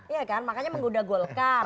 iya kan makanya menggoda golkar